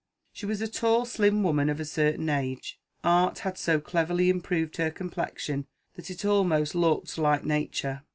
She was a tall slim woman, of a certain age. Art had so cleverly improved her complexion that it almost looked like nature.